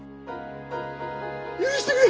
許してくれ。